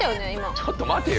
ちょっと待てよ。